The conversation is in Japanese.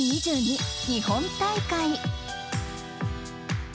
日本大会。